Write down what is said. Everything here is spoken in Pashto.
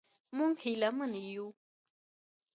موږ هیله من یو.